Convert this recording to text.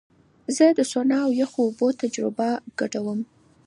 زه د سونا او یخو اوبو تجربه ګډوم.